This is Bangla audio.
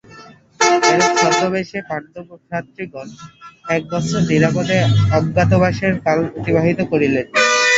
এইরূপ ছদ্মবেশে পাণ্ডবভাতৃগণ এক বৎসর নিরাপদে অজ্ঞাতবাসের কাল অতিবাহিত করিলেন।